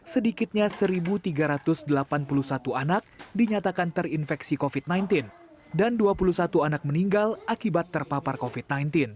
sedikitnya satu tiga ratus delapan puluh satu anak dinyatakan terinfeksi covid sembilan belas dan dua puluh satu anak meninggal akibat terpapar covid sembilan belas